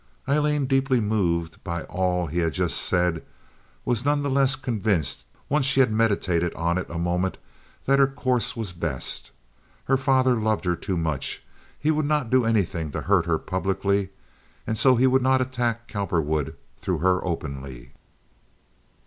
Aileen, deeply moved by all he had just said, was none the less convinced once she had meditated on it a moment, that her course was best. Her father loved her too much. He would not do anything to hurt her publicly and so he would not attack Cowperwood through her openly.